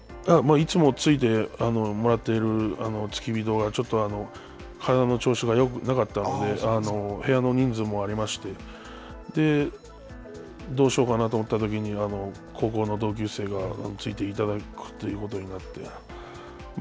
いつもついてもらっている付き人がちょっと体の調子がよくなかったので、部屋の人数もありまして、で、どうしようかなと思ったときに、高校の同級生についていただくということになって。